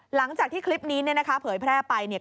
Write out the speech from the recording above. หลังจากที่คลิปนี้เนี่ยนะคะเผยแพร่ไปเนี่ย